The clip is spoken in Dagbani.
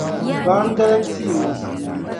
Gbaam dalim tia ŋɔ!